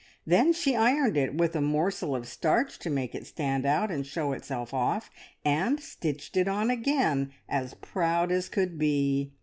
Then she ironed it, with a morsel of starch to make it stand out and show itself off, and stitched it on again as proud as could be.